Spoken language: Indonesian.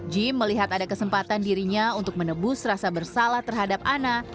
jim melihat ada kesempatan dirinya untuk menebus rasa bersalah terhadap ana